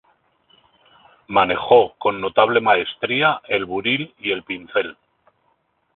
Manejó con notable maestría el buril y el pincel.